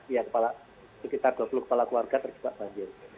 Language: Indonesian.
iya sekitar dua puluh kepala keluarga terjebak banjir